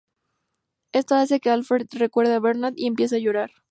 Esto hace que Alfred recuerde a Bernard y empieza a llorar.